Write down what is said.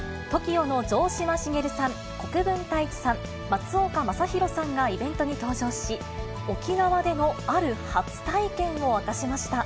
ＴＯＫＩＯの城島茂さん、国分太一さん、松岡昌宏さんがイベントに登場し、沖縄でのある初体験を明かしました。